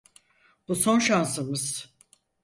Bu son şansımız.